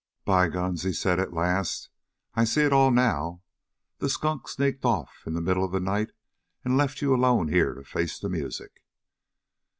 "By guns," he said at last, "I see it all now. The skunk sneaked off in the middle of the night and left you alone here to face the music?"